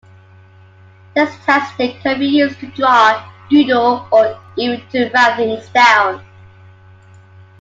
Desktastic can be used to draw, doodle or even to write things down.